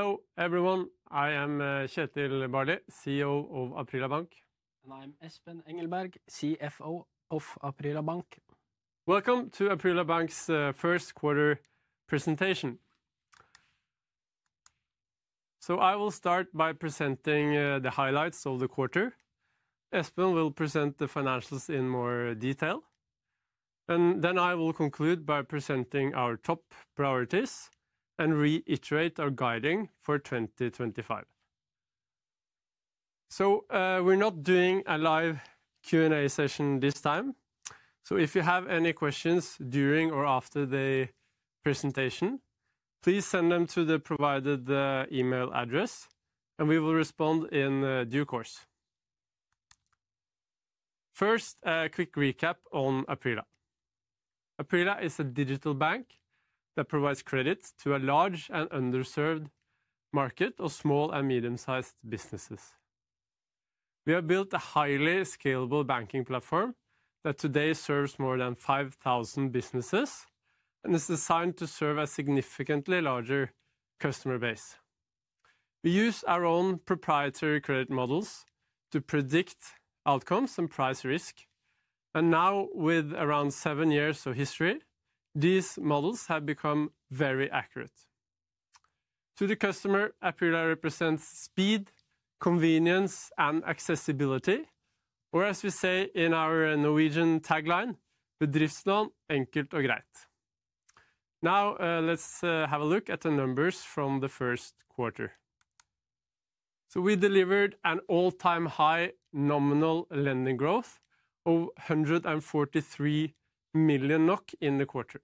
Hello everyone, I am Kjetil Barli, CEO of Aprila Bank. I'm Espen Engelberg, CFO of Aprila Bank. Welcome to Aprila Bank's first quarter presentation. I will start by presenting the highlights of the quarter. Espen will present the financials in more detail, and then I will conclude by presenting our top priorities and reiterate our guiding for 2025. We are not doing a live Q&A session this time, so if you have any questions during or after the presentation, please send them to the provided email address, and we will respond in due course. First, a quick recap on Aprila. Aprila is a digital bank that provides credit to a large and underserved market of small and medium-sized businesses. We have built a highly scalable banking platform that today serves more than 5,000 businesses and is designed to serve a significantly larger customer base. We use our own proprietary credit models to predict outcomes and price risk, and now, with around seven years of history, these models have become very accurate. To the customer, Aprila represents speed, convenience, and accessibility, or as we say in our Norwegian tagline, "Bedriftsnå, enkelt og greit." Now let's have a look at the numbers from the first quarter. We delivered an all-time high nominal lending growth of 143 million NOK in the quarter.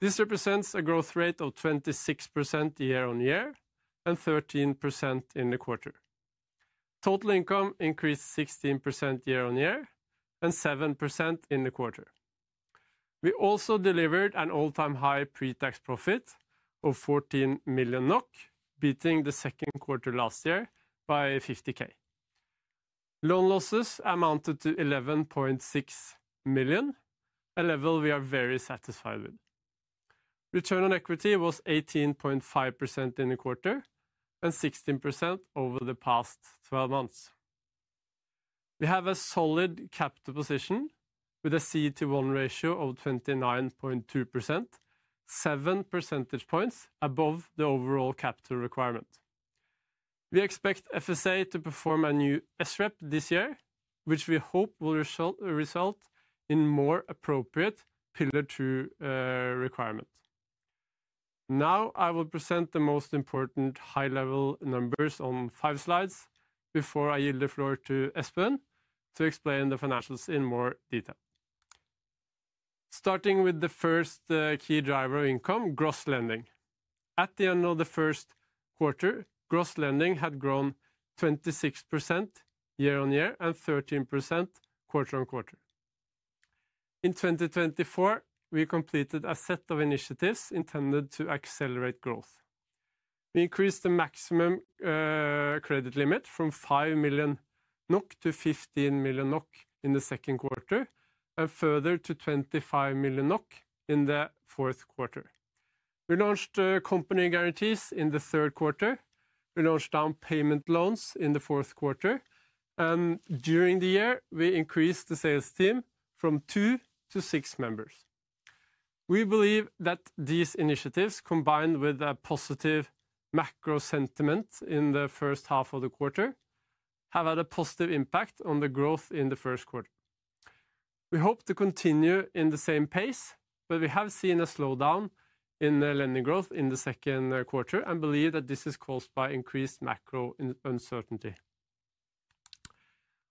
This represents a growth rate of 26% year on year and 13% in the quarter. Total income increased 16% year on year and 7% in the quarter. We also delivered an all-time high pre-tax profit of 14 million NOK, beating the second quarter last year by 50,000. Loan losses amounted to 11.6 million, a level we are very satisfied with. Return on equity was 18.5% in the quarter and 16% over the past 12 months. We have a solid capital position with a CET1 ratio of 29.2%, seven percentage points above the overall capital requirement. We expect FSA to perform a new SREP this year, which we hope will result in a more appropriate pillar-two requirement. Now I will present the most important high-level numbers on five slides before I yield the floor to Espen to explain the financials in more detail. Starting with the first key driver of income, gross lending. At the end of the first quarter, gross lending had grown 26% year on year and 13% quarter on quarter. In 2024, we completed a set of initiatives intended to accelerate growth. We increased the maximum credit limit from 5 million NOK to 15 million NOK in the second quarter and further to 25 million NOK in the fourth quarter. We launched company guarantees in the third quarter. We launched down payment loans in the fourth quarter, and during the year, we increased the sales team from two to six members. We believe that these initiatives, combined with a positive macro sentiment in the first half of the quarter, have had a positive impact on the growth in the first quarter. We hope to continue in the same pace, but we have seen a slowdown in lending growth in the second quarter and believe that this is caused by increased macro uncertainty.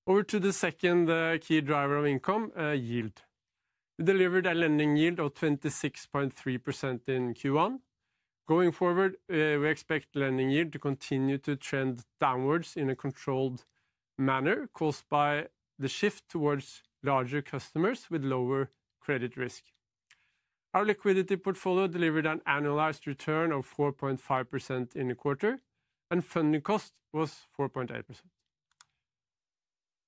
Over to the second key driver of income, yield. We delivered a lending yield of 26.3% in Q1. Going forward, we expect lending yield to continue to trend downwards in a controlled manner, caused by the shift towards larger customers with lower credit risk. Our liquidity portfolio delivered an annualized return of 4.5% in the quarter, and funding cost was 4.8%.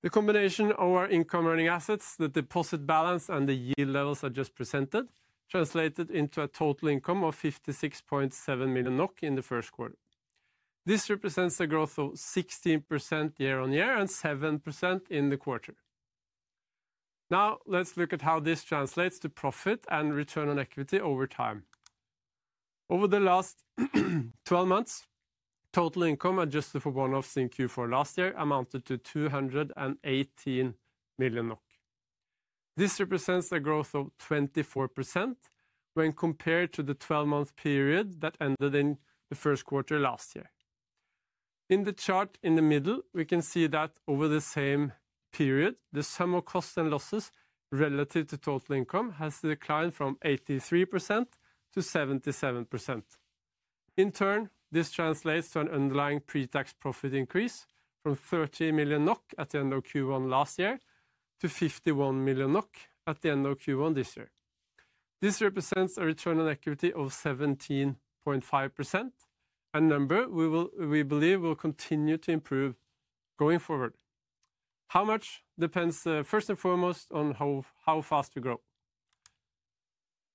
The combination of our income-earning assets, the deposit balance, and the yield levels I just presented translated into a total income of 56.7 million NOK in the first quarter. This represents a growth of 16% year on year and 7% in the quarter. Now let's look at how this translates to profit and return on equity over time. Over the last 12 months, total income adjusted for one-offs in Q4 last year amounted to 218 million NOK. This represents a growth of 24% when compared to the 12-month period that ended in the first quarter last year. In the chart in the middle, we can see that over the same period, the sum of costs and losses relative to total income has declined from 83% to 77%. In turn, this translates to an underlying pre-tax profit increase from 30 million NOK at the end of Q1 last year to 51 million NOK at the end of Q1 this year. This represents a return on equity of 17.5%, a number we believe will continue to improve going forward. How much depends first and foremost on how fast we grow.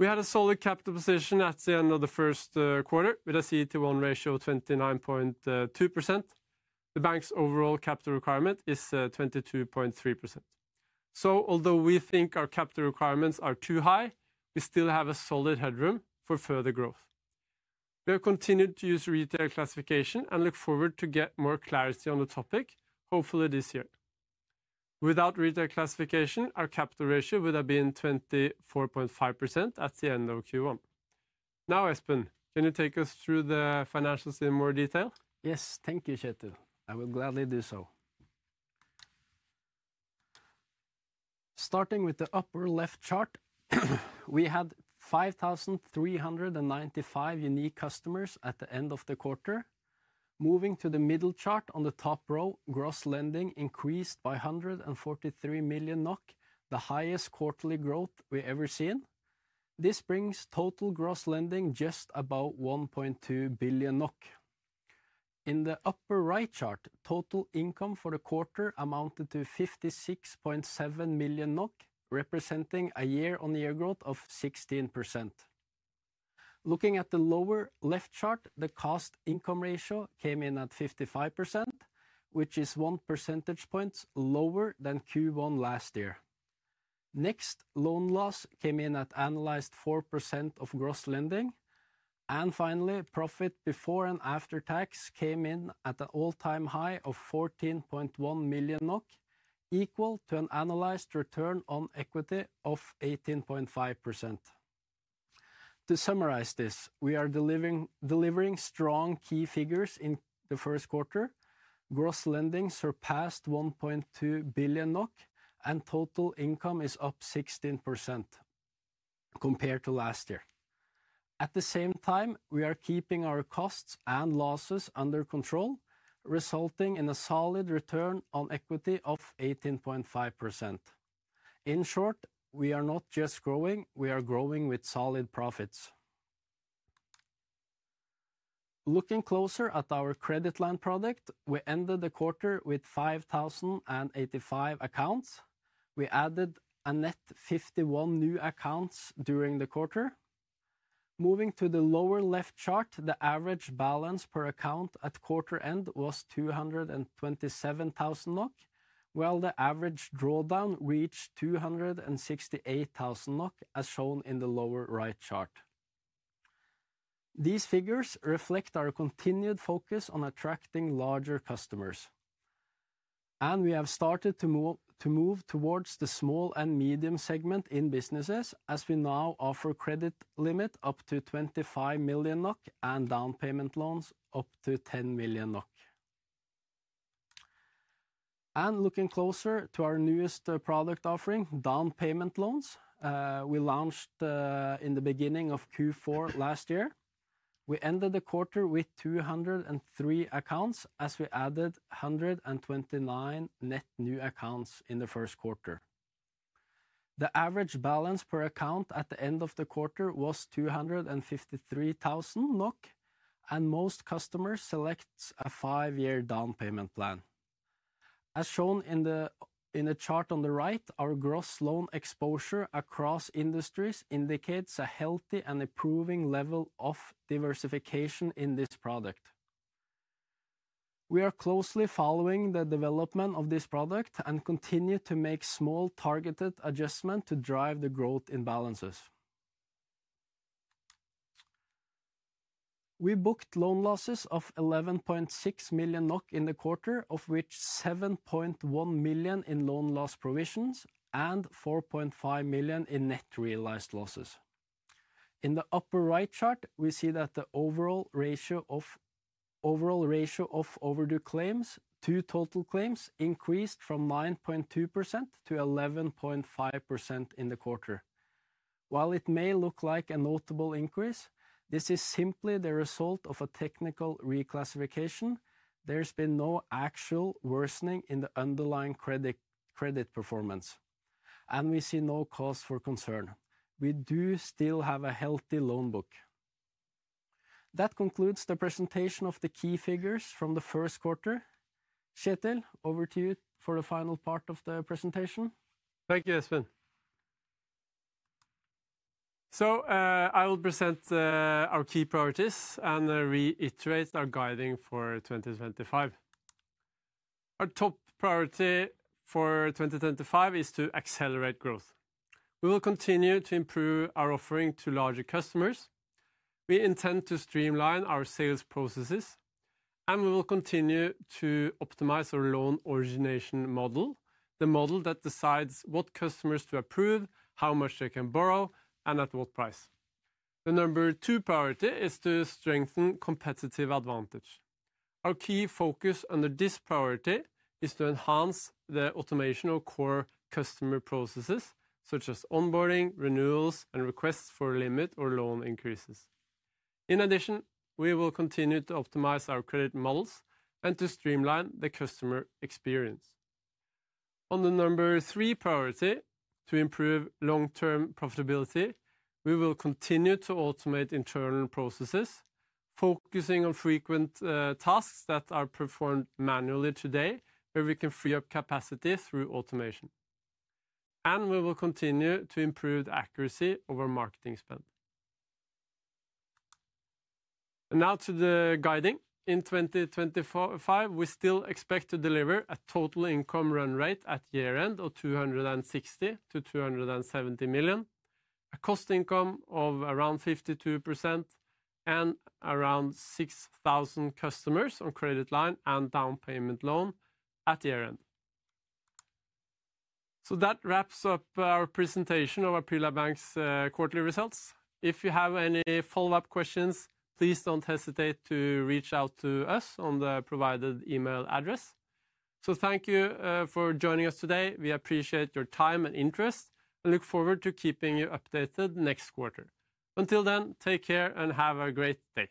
We had a solid capital position at the end of the first quarter with a CET1 ratio of 29.2%. The bank's overall capital requirement is 22.3%. Although we think our capital requirements are too high, we still have a solid headroom for further growth. We have continued to use retail classification and look forward to getting more clarity on the topic, hopefully this year. Without retail classification, our capital ratio would have been 24.5% at the end of Q1. Now, Espen, can you take us through the financials in more detail? Yes, thank you, Kjetil. I will gladly do so. Starting with the upper left chart, we had 5,395 unique customers at the end of the quarter. Moving to the middle chart on the top row, gross lending increased by 143 million NOK, the highest quarterly growth we've ever seen. This brings total gross lending just above 1.2 billion NOK. In the upper right chart, total income for the quarter amounted to 56.7 million NOK, representing a year-on-year growth of 16%. Looking at the lower left chart, the cost-income ratio came in at 55%, which is 1 percentage point lower than Q1 last year. Next, loan loss came in at annualized 4% of gross lending. Finally, profit before and after tax came in at an all-time high of 14.1 million NOK, equal to an annualized return on equity of 18.5%. To summarize this, we are delivering strong key figures in the first quarter. Gross lending surpassed 1.2 billion NOK, and total income is up 16% compared to last year. At the same time, we are keeping our costs and losses under control, resulting in a solid return on equity of 18.5%. In short, we are not just growing; we are growing with solid profits. Looking closer at our credit line product, we ended the quarter with 5,085 accounts. We added a net 51 new accounts during the quarter. Moving to the lower left chart, the average balance per account at quarter end was 227,000 NOK, while the average drawdown reached 268,000 NOK, as shown in the lower right chart. These figures reflect our continued focus on attracting larger customers. We have started to move towards the small and medium segment in businesses, as we now offer credit limit up to 25 million NOK and down payment loans up to 10 million NOK. Looking closer to our newest product offering, down payment loans, we launched in the beginning of Q4 last year. We ended the quarter with 203 accounts, as we added 129 net new accounts in the first quarter. The average balance per account at the end of the quarter was 253,000 NOK, and most customers select a five-year down payment plan. As shown in the chart on the right, our gross loan exposure across industries indicates a healthy and improving level of diversification in this product. We are closely following the development of this product and continue to make small targeted adjustments to drive the growth in balances. We booked loan losses of 11.6 million NOK in the quarter, of which 7.1 million in loan loss provisions and 4.5 million in net realized losses. In the upper right chart, we see that the overall ratio of overdue claims to total claims increased from 9.2% to 11.5% in the quarter. While it may look like a notable increase, this is simply the result of a technical reclassification. There's been no actual worsening in the underlying credit performance, and we see no cause for concern. We do still have a healthy loan book. That concludes the presentation of the key figures from the first quarter. Kjetil, over to you for the final part of the presentation. Thank you, Espen. I will present our key priorities and reiterate our guiding for 2025. Our top priority for 2025 is to accelerate growth. We will continue to improve our offering to larger customers. We intend to streamline our sales processes, and we will continue to optimize our loan origination model, the model that decides what customers to approve, how much they can borrow, and at what price. The number two priority is to strengthen competitive advantage. Our key focus under this priority is to enhance the automation of core customer processes, such as onboarding, renewals, and requests for limit or loan increases. In addition, we will continue to optimize our credit models and to streamline the customer experience. On the number three priority, to improve long-term profitability, we will continue to automate internal processes, focusing on frequent tasks that are performed manually today, where we can free up capacity through automation. We will continue to improve the accuracy of our marketing spend. Now to the guiding. In 2025, we still expect to deliver a total income run rate at year-end of 260 million-270 million, a cost-income of around 52%, and around 6,000 customers on credit line and down payment loan at year-end. That wraps up our presentation of Aprila Bank's quarterly results. If you have any follow-up questions, please do not hesitate to reach out to us on the provided email address. Thank you for joining us today. We appreciate your time and interest, and look forward to keeping you updated next quarter. Until then, take care and have a great day.